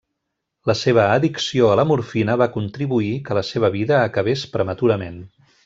La seva addicció a la morfina va contribuir que la seva vida acabés prematurament.